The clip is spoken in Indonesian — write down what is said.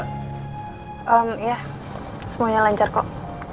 eeeem iya semuanya lancar kok